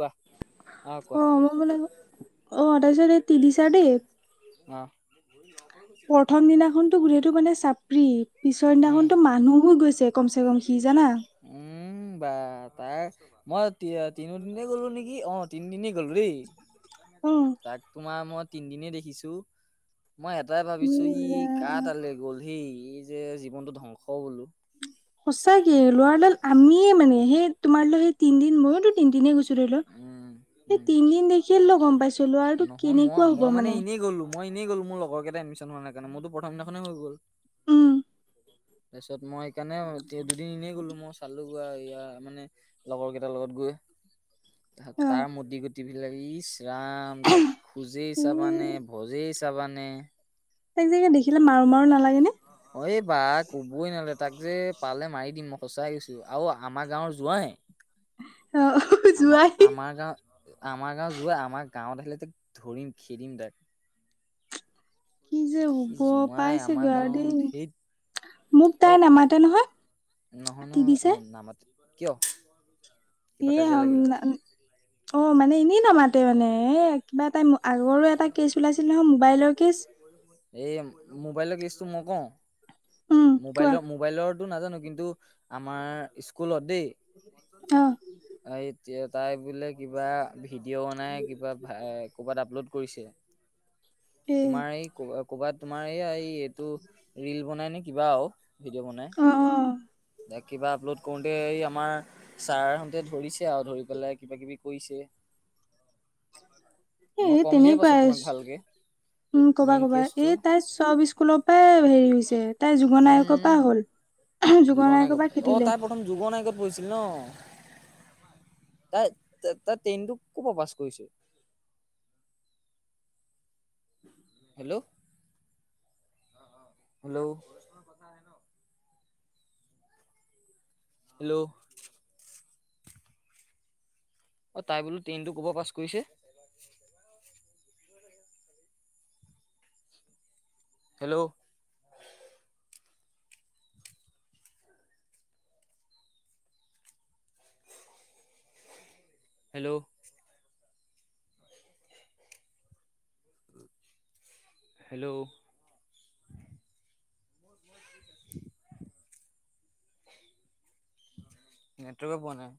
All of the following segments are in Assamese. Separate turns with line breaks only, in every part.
কোৱা অ, কোৱা।
মই মানে অ, তাৰপিছত এই তিলিছা দেই।
অ'।
প্ৰথম দিনাখনতো গোটেইটো মানে চাপৰি, পিছৰ
উম
দিনাখনতটো মানুহ হৈ গৈছে কম চে কম সি জান না।
উম, বা তাৰ মই তি তিনি দিনে গ'লো নেকি অ, তিনিদিনে গ'লো দেই।
অ
তাক তোমাৰ মই তিনদিনে দেখিছো। মই এটাই ভাবিছো ই, কাৰ তালৈ গ'ল সি এই যে জীৱনটো ধ্বংস বোলো।
সঁচাকে লৰাডাল আমিয়ে মানে, সেই তোমালৈ তিনদিন, ময়োতো তিনদিনে গৈছো।
উম
সেই
উম
তিনদিন দেখিয় লগ, গম পাইছো লৰাটো কেনেকুৱা হ'ব মানে।
মইনেই গ'ল মোৰ লগৰ কেইটা এডমিশ্যন হোৱাৰ কাৰণ মইোথম দিনানে হৈ গ'ল।
উম।
তাৰপিছত মই সেইকাৰণে দুদিননে গ'লো মই চালো গই, ই মানে লগৰ কেইটাৰ লগত গৈ।
অ
তাৰ মুদী গুটি, বিলাক ইস ৰাম তাক খুজেই
এ
চাবা নে, ভজেই চাবানে।
সেই যে, দেখিলে মাৰো, মাৰো নালাগে নে।
অ, এই বা ক'বই নালাগ তাক যে পালে মাৰি দিম, মই সচাই গৈছো আৰু আমাৰ গাঁৱৰ যোৱাই।
অ
আমাৰ,
যোৱাই
আমাৰ গাঁও, আমাৰ গাঁও, যোৱাই আমাৰ গাঁৱত আহিলে যে, ধৰিম খেদিম তাক।
কি যে
সি
হ'ব,
জোঁৱাই আমাৰ
পাইছেগৈ আৰু দেই
গাঁৱত সেই
মোক তাই নামাতে নহয়।
নহনো অ,
তিলিছাই
নামতে কিয়? কিবা
এ,
কাজিয়া লাগিলে
অ, মানে এনেই নামাতে মানে এ, কিবা এটা আগৰো এটা কেচ ওলাইছিল নহয়, মোবাইলৰ কেচ
এই মোবাইলৰ কেচটো মই কওঁ
উম কোৱা
মোবাইলৰ, মোবাইলত টো নাজানো, কিন্তু আমাৰ স্কুলত। দেই
অ'।
এ, তাই বোলে কিবা ভিডিঅ' বনাই কিবা ক'ৰবাত আপলোড কৰিছে।
এ
তোমাৰ এই ক, কৰবাত তোমাৰ এই, এই এইটো ৰিল বনাই নে কিবা অ। ভিডিঅ' বনাই,
অ অ
কিবা আপলোড কৰোতে এই আমাৰ ছাৰ আহোতে ধৰিছ আৰু ধৰি পেলাই কিবা, কিবি কৈছে।
[unintelligible] তেনেকুৱাই, উম, কবা
মেইন
কবা
কেচটো
এই তাই চব স্কুলৰ পৰাই হেৰি হৈছে তাই যুগনায়কৰ পৰা হ'ল।
যুগনায়ক
যুগনায়কৰ
পৰা, অ',
খেদিলে
তাই প্ৰথম যুগনায়কত পঢ়িছিল নহ? তাই-তাই টেইনতো ক'ৰ পৰা পাছ কৰিছে? হেল্ল'। হেল্ল'। হেল্ল'। অ', তাই বোলো টেইনটো ক'ৰ পৰা পাছ কৰিছে? হেল্ল'। হেল্ল'। হেল্ল'। নেটৱৰ্কে পোৱা নাই।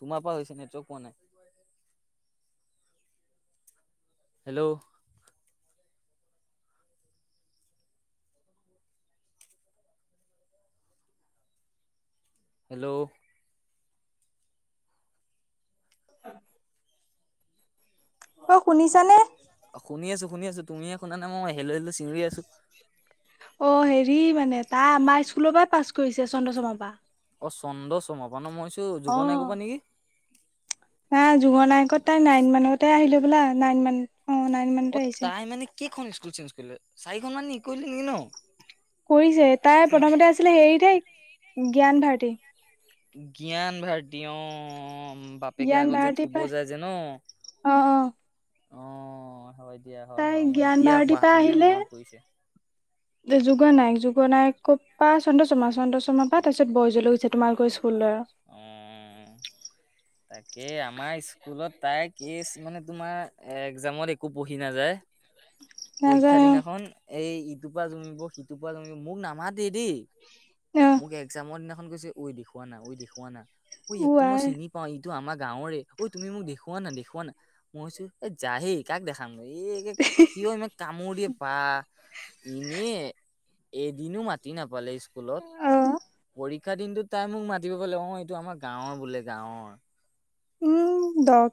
তোমাৰ পৰা হৈছে, নেটৱৰ্ক পোৱা নাই। হেল্ল'। হেল্ল'।
অ', শুনিছানে?
অ', শুনি আছো, শুনি আছো। তুমিয়ে শুনা নাই, মই হেল্ল' হেল্ল' চিঞৰি আছো।
অ', হেৰি মানে, তাই আমাৰ স্কুলৰ পৰা পাছ কৰিছে চন্দ্ৰশৰ্মাৰ পৰা।
অ', চন্দশৰ্মাৰ পৰা, মই ভাবিছোঁ
অ
যুগনায়কৰ পৰা নেকি?
নাই, যুগনায়কত তাই নাইন মানতে আহিলে বোলে। নাইন মান অ' নাইন
অ
মানতে আহিছে।
তাই মানে কেইখন স্কুল চেঞ্চ কৰিলে, চাৰিখন মান কৰিলে নেকি নহ?
কৰিছে, তাই প্ৰথমতে আছিলে হেৰিত সেই জ্ঞানভাৰটি।
জ্ঞানভাৰটি অ'। উম, বাপেকে
জ্ঞান
আগত যে
ভাৰতীৰ
থব
পৰা
যায় যে নহ?
অ অ
এতিয়া, হয়,
তাই
হয় মই
জ্ঞান
এতিয়া
ভাৰতীৰ
পা
পৰা
মানে
আহিলে
মনত পৰিছে।
যুগনায়ক, যুগনায়কৰ পা চন্দ্ৰশৰ্মা চন্দ্ৰশৰ্মা পা তাৰপিছত। [unintelligible] তোমালোকৰ স্কুললৈ।
অ'। তাকে, আমাৰ স্কুলত তাই কেচ মানে তোমাৰ এক্মামত একো পঢ়ি নাযায়। পৰীক্ষা
নাযায়
দিনাখন এই ইটোৰপা জমিব, সিটোৰপা জমিব মোক নামাতে দেই।
অ
মোক এক্মামৰ দিনাখন কৈছে, ঐই দেখুওা না? ঐ দেখুৱা না? ঐই
অ
ইয়াকতো মই
আই
চিনি পাওঁ। আমাৰ গাঁৱৰে, ঐ তুমি মোক দেখুৱা না? দেখুওা না? মই কৈছো, এ যাহে কাক দেখাম।
[unintelligible]
সিয় ইমান কামোৰ দিয়ে, বাহ এনে এদিনো মাতি নাপালে স্কুলত
অ
পৰীক শিক্ষা দিনটোত তাই মোক মাতিব পালে, অ', এইটো আমাৰ গাঁৱৰ বোলে গাঁৱৰ।
উম, দৰ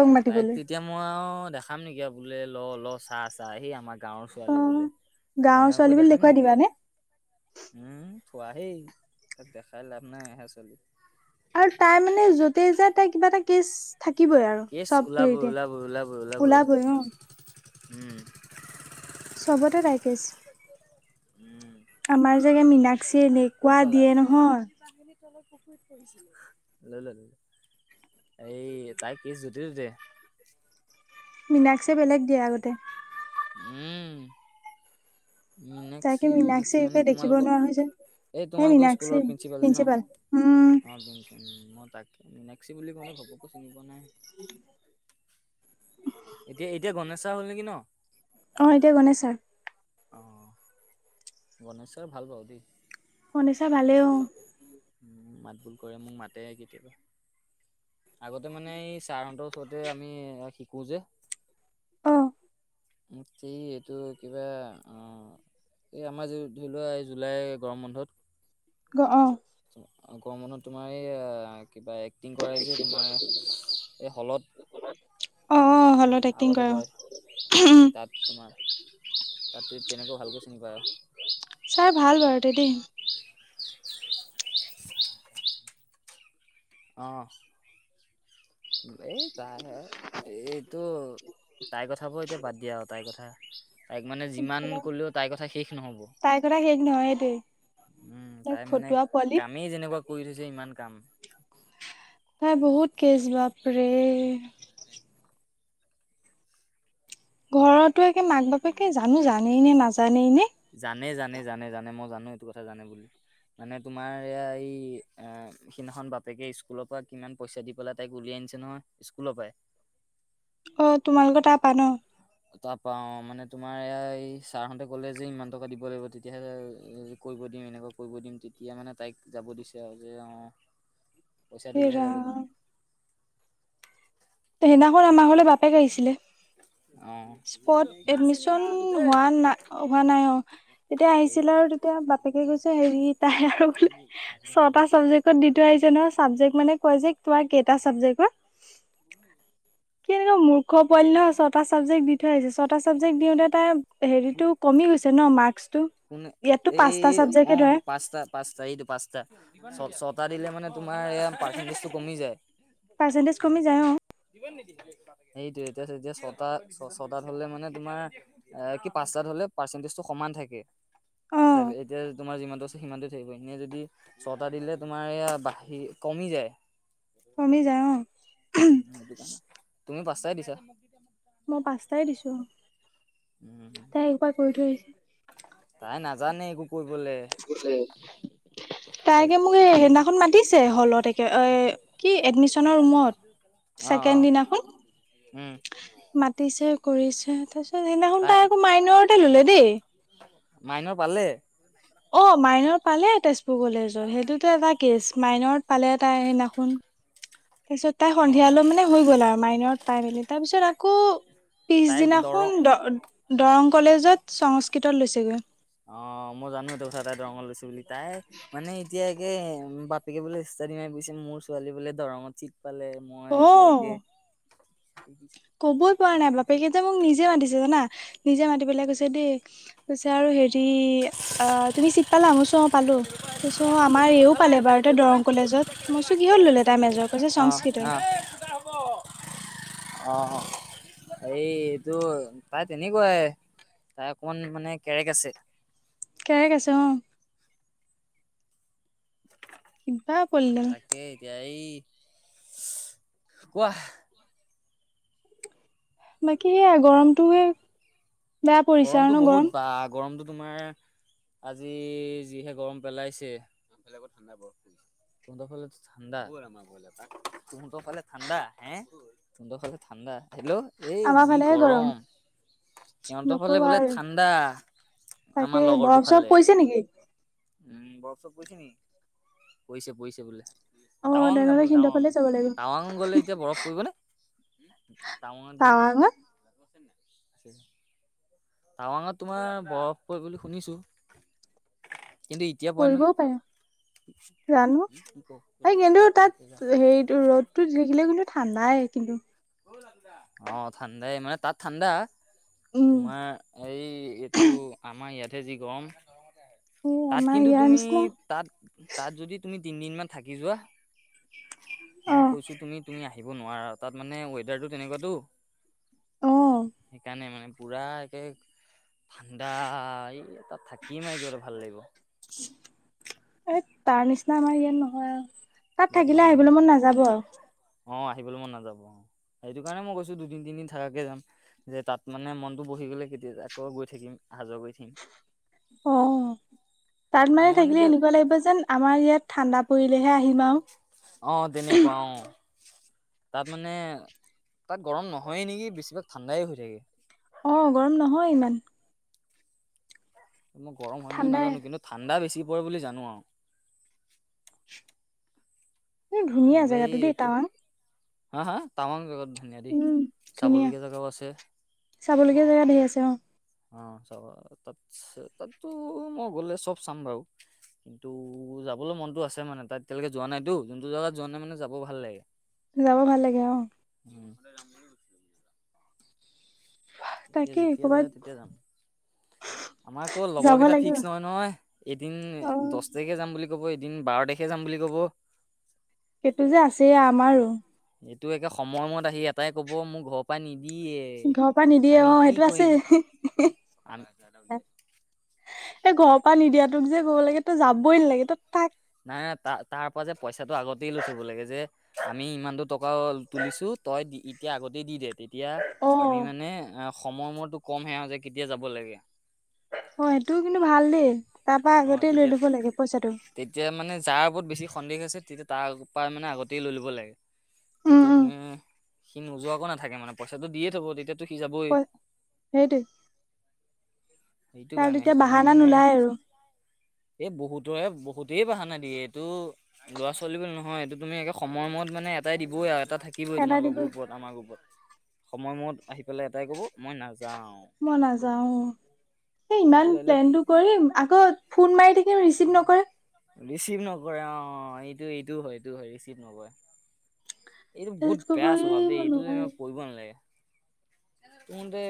তা-তাইক তেতিয়া মই আৰু দেখাম নেকি? আৰু বোলে, ল ল চাহ চাহ সি আমাৰ গাঁৱৰ
অ
ছোৱালী বোলে,
গাঁৱৰ
তেনেকা
ছোৱালী
কৈ
বুলি
দেখাম
দেখুৱাই
নেকি আৰু?
দিবানে
উম। থোৱাহেই, তাক দেখাই লাভ নাই [unintelligible] ছোৱলি।
আৰু তাই মানে, যতেই যায় তাই কিবা এটা কেচ থাকিবই আৰু,
কেছ
চব
ওলাবই
হেৰিতে
ওলাবই ওলাবই
ওলাবই অ'।
উম।
চবতে তাইৰ কেচ।
উম
আমাৰ যে, মীনাক্ষি
ক'ত
এনেকুৱা
পালা
দিয়ে নহয়?
[unintelligible] এই, তাইৰ কেচ যতে ততে।
মীনাক্ষী বেলেগ দিয়ে আগতে।
উম মীনাক্ষী
তাকে মীনাক্ষী
মানে
দেখিব
তোমালোকৰ
নোৱাৰা হয় যায়।
এই তোমালোকৰ স্কুলৰ প্ৰিঞ্চিপাল ন
উম
অ, মই তাক মীনাক্ষী বুলি কঁওতে [inaudible]
[unintelligible]
এতিয়া, এতিয়া গণেশ চাৰ হ'ল নেকি ন।
অ, এতিয়া গণেশ চাৰ।
অ গণেশ চাৰ ভাল বাৰু দেই।
গনেশ চাৰ ভালে অ,।
উম, মাত বোল কৰে মোক মাতে কেতিয়াবা। আগতে মানে এই চাৰৰহতঁৰ ওচৰতে আমি শিকো যে।
অ
[unintelligible] এইটো একেবাই অ, এই আমাৰ য, ধৰি লোৱা এই জুলাই গৰম বন্ধত।
অ
গৰম বন্ধত তোমাৰ এই কিবা এক্টিং কৰাই যে, তোমাৰ এই হ'লত।
অ, হলত এক্টিং কৰাই অ,
অ, তাত তোমাৰ। তাতে তেনেকৈ ভালকৈ চিনি পায়।
ছাৰ ভাল বাৰুতে [inaudible]
অ, এই তাইে হে এইটো তাই কথাবোৰ এতিয়া বাদ দিয়া আৰু তাইৰ কথা। তাইক মানে যিমান কলেও তাইৰ কথা শেষ নহ'ব।
তাইৰ কথা শেষ নহয় দেই
উম,
তাইক
তাই মানে
ফটুৱা পোৱালি
কামেই যেনেকুৱা কৰি থৈছে ইমান কাম।
তাই বহুত কেছ বাপৰে।
[unintelligible]
ঘৰতো একে মাক বাপেকে জানো জানেই নে নাজানেই নে।
নাইএইটো কথা জানে বুলি। মানে তোমাৰ এয়া এই অ সিদিনাখন বাপেকে স্কুলৰ পৰা কিমান পইচা দি পেলাই তাইক উলিয়াই। নহয় স্কুলৰ পায়।
অ, তোমালোকৰ তাৰ পা ন।
তাৰপা অ, মানে তোমাৰ এয়া এই ছাৰ হঁতে কলে যে ইমান টকা দিব লাগিব তেতিয়াহ'লে কৰিব। দিম, এনেকুৱা কৰিব দিম তেতিয়া মানে তাইক যাব দিছে আৰু যে অ,
[inaudible]
পইঁচা দিলেহে যাব
ৰাম
দিম।
সেইদিনাখন আমাৰ ঘৰলে বাপেক আহিছিলে।
অ
ছফ্ট এডমিচন হোৱা ন হোৱা নাই অ তেতিয়া আহিছিল
সেইটো
আৰু তেতিয়া। বাপেকে কৈছে হেৰি তাই আৰু বোলে ছটা চাবজেক্টত দি থ আহিছে ন চাবজেক্ট মানে ক [unintelligible] কেনেকোৱা মূৰ্খ পোৱালি নহয়, ছটা ছাবজেক্ট দি থৈ আহিছে, ছটা ছাবজেক্ট দিওঁতে তাই। হেৰিতটো কমি গৈ হৈছে ন, মাক্কস।
কোনে এই অ, পাঁচটা পাঁচটা এইটো পাঁচটা। টা, দিলে মানে তোমাৰ পাৰ্চেন্টেজটো কমি যায়।
পাৰ্চেন্টেজ কমি যায় অ,
সেইটো এতিয়া, এতিয়া ছটা, ছটাত হলে মানে তোমাৰ কি পাচঁ [unintelligible] পাৰ্চেটেজটো সমান থাকে।
অ,
এতিয়া তোমাৰ যিমানতটো আছে সিমানটোটো থাকিব, এনে যদি ছটা দিলে তোমাৰয়া বাঢ়ি, কমি যায়। উম
কমি যায় অ,
দোকানত তুমি পাঁচতাই দিছা।
মই পাঁচটাই দিছো
উম
আৰু তাই একোবাৰ কৰি থৈ আহিছে।
তাই নাজানে একো কৈ তাই
তাইকে মোক এই
একো
সেইদিনাখন মাতিছে হলতে এ কি এডমিশনৰ ৰুমৰত
অ অ
ছেকেণ্ড দিনাখন।
উম
মাতিছে কৰিছে তাৰিছত। সেইদিনাখনোন
তাই
ত আকৌ মাইণৰতে ললে দেই।
মাইনৰ পালে
অ', মাইনৰ পালে তেজপুৰ কলেজত সেইটোতো এটা কেছ মাইন পালে তাই সেইদিনাখনোন। তাৰ পিছত তাই
অ
সন্ধিয়ালৈ মানে হৈ গ'ল আৰু মাইনৰত পাই মেলি তাৰ পিছত আৰু আকৌ
তাই দৰং
পিছদিনাখন দ দৰং কলেজত সংস্কৃতত লৈছেগৈ।
এ মানে এতিয়া একে বাপেকে বোলে ইষ্টাদি মাই বুজিছে মোৰ ছোৱালী বোলে দৰঙত পালে মই এতিয়াকে
অ কবই পৰা নাই বাপেকেইটা মোক নিজে মাতিছে জনা নিজে মাতি পেলাই কৈছে দেই কৈছে আৰু হেৰি অ তুমি চিট পালা অহ পালো তইছো আমাৰ এইও পালে বাৰু ত দৰং কলেজত মইছো কি হত ললে তাই মজৰ কৈছে সংস্কৃত।
আহ [unintelligible] এই এইটো তাই তেনেকুৱাই। তাৰ অকমান মানে কেৰেক আছে।
কেৰেক আছে অ'। কিবা পোৱালিডাল
তাকে এতিয়া এই কোৱা।
বাকী সেয়া গৰমটো
গৰমতটো বহুত বা গৰমতটো তোমাৰ আজি যিহে গৰম পেলাইছে টোণ্ডৰ ফালে ঠাণ্ডা টোণ্ডৰ ফালে ঠাণ্ডা হে টোণ্ডৰ ফালে ঠাণ্ডা হেল্ল' এই
আমাৰ
যি
ফালেহে
গৰম সিহঁতৰ ফালে
নকবা
বোলে
আৰু
ঠাণ্ডা
তাকে
আমাৰ লগৰটো
বৰফ চৰফ
ফালে
পৰিছে নেকি
উম, বৰফ চপফ পোৰিছে নেকি পইছে পইছে বোলে।
অ
টাৱাং যাম
তেনেহ'লে
বোল
সিহঁতৰ
টাৱাং
ফালে যাব লাগিব
টাৱাং গলে এতিয়া বৰফ পৰিব নে? টাৱাং বোলে।
টাৱাঙত
টাৱাং তোমাৰ বৰফ পৰিব বুলি শুনিছোঁ। কিন্তু এতিয়া পই ন।
পৰিবও পাৰে জানো এই কিন্তু তাত হেৰিটো ৰ'দতো দেখিলে কিন্তু ঠাণ্ডা। নাই কিন্তু।
অ', ঠাণ্ডাই মানে তাত ঠাণ্ডা।
উম
তোমাৰ এই এইটো আমাৰ ইয়াতেহে যি গৰম
এই
তাত
আমাৰ
কিন্তু
ইয়াৰ
তুমি
নিচিনা
তাত তাত যদি তুমি তিনদিন মান থাকি যোৱা
অ
মই কৈছো তুমি তুমি আহিব নোৱাৰা তাত মানে ৱেডাৰটো তেনেকুৱাতটো
অ
সেইকাৰণে মানে পুৰা একে ঠাণ্ডা এই তাত থাকি মানে কিবা এটা ভাল লাগিব।
এই তাৰ নিচিনা আমাৰ ইয়াত নহয় আৰু তাত
ইয়াত
থাকিলে
নহয়
আহিবলৈ
সেইটোৱে
মন নাযাব আৰু
অ', আহিবলৈ মন নাযাব অ', এইেইটো কাৰণে মই গৈছো দুদিন তিনিদিন থাকাকে যাম যে তাত মানে মনতটো বহি গলে কেতিয়া যায় আকৌ গৈ থাকিম সাজ গৈ থাকিম।
অ', তাত মানে
আমাৰ
থাকিলে
এতিয়া
এনেকুৱা লাগিব যেন আমাৰ ইয়াত ঠাণ্ডা পৰিলে আহিম
অ
আৰু।
তেনেকুৱা অ তাত মানে তাত গৰম নহয়ে নেকি বেছিভাগ ঠাণ্ডাই হৈ থাকে।
অ', গৰম নহয় ইমান
মই গৰম হয় নহয়
ঠাণ্ডাই
নাজানো কিন্তু ঠাণ্ডা বেছি পৰে বুলি জানো আৰু।
এই ধুনীয়া
এই
জেগাটো দেই
এইটো
টাৱাং।
হা, হা টাৱাং জাগাটো।
উম, ধুনীয়া। চাবলগীয়া জেগা ধেৰ আছে অ'।
অ' চ তাত তাতো মই গ'লে চ'ব চাম বাৰু। কিন্তু যাবলৈ মনতো আছে মানে তাত। এতিয়ালৈকে যোৱা নাইতো যোনটো জেগাত যোৱা নাই মানে যাব ভাল লাগে।
যাব ভাল লাগে অ'।
সোনকালে যাম বুলি কৈছো। তেতিয়া
তাকেই
যেতিয়া
কৰ'বাত
যায় তেতিয়া যাম। আমাৰ আকৌ লগৰ
যাব
কেইটা
লাগিব
ফিক্স নহয় নহয়। এদিন
অ
দচ তাৰিখে যাম বুলি ক'ব এদিন বাৰ তাৰিখে যাম বুলি ক'ব।
সেইটো যে আছে আমাৰো।
এইটো একে সময়মূৰত আহি এটাই কব মোৰ ঘৰৰ পৰাই নি
ঘৰৰ পৰা নিদিয়ে অ' সেইটো আছে।
আমি
এই ঘৰৰ পৰা নিদিয়াতোক যে ক'ব লাগে তই যাবই নালাগে তই থাক।
নাই নাই ত তাৰ পৰা যে পইচাটো আগতেই লৈ থব লাগে যে আমি ইমান টো টকা তুলিছো তই দি এতিয়া আগতেই দি দে। তেতিয়া আমি
অ
মানে আহ সময়মূৰত তোক কম হে যে কেতিয়া যাব লাগে।
অ' সেইটোও কিন্তু ভাল দেই তাৰ পৰা
অ
আগতে লৈ
তেতিয়া
লব লাগে পইচাটো।
তেতিয়া মানে যাৰ ওপৰত বেছি সন্দেহ আছে তেতিয়া তাৰ পৰা মানে আগতেই লৈ লব লাগে। তেতিয়া তুমি সি নোযোৱাকো নাথাকে মানে পইচাটো দিয়ে থ'ব তেতিয়া সি জাবই।
সেইটোৱে তাৰ তেতিয়া বাহানা নোলায় আৰু।
এই বহুতৰে বহুত। ধে বাহানা দিয়ে এইটো ল'ৰা ছোৱালী বুলি নহয় এইটো তুমি একে সময়মূৰত মানে এটাই দিবই আৰু। এটা থাকিবই
এটা
তোমালোকৰ
দিবই
গ্ৰুপৰত। আমাৰ গ্ৰুপৰত সময়মূৰত আহি পেলাই এটাই ক'ব মই নাজা
মই নাযাও হে
সেইটো
ইমান
ডাইলগ
প্লেনতটো কৰিম আকৌ ফোন মাৰি থা ৰিচিভ নকৰে
ৰিচিভ নকৰে অ, এইটো-এইটো হয়। এইটো হয়। ৰিচিভ নকৰে। এইটো বহুত
তাৰপিছত কব
বেয়া আ স্বভাৱ
এই
দে
মই
এইটো এনেকুৱা
নোৱাৰিম
কৰিব নালাগে। তহতে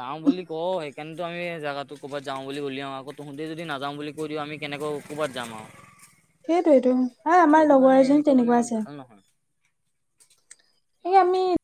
যাও বুলি কওঁ সেইকাৰণেতো আমি জোগাত ক'ৰবাত যাওঁ বুলি উলিয়াওঁ আকৌ তহঁতে যদি নাযাওঁ বুলি কৈ দিওঁ আমি কেনেকৈ ক'ৰবাত যাম আৰু
হয়, আমাৰ
সেইটো কাৰণে
লগৰ এজনী
এনেকুৱা মানে
তেনেকুৱা আছে।
ভাল নহয়
এ আমি